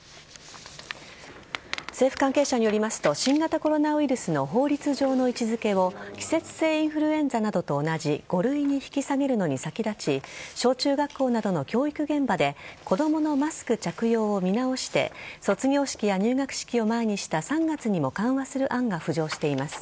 政府関係者によりますと新型コロナウイルスの法律上の位置付けを季節性インフルエンザなどと同じ５類に引き下げるのに先立ち小中学校などの教育現場で子供のマスク着用を見直して卒業式や入学式を前にした３月にも緩和する案が浮上しています。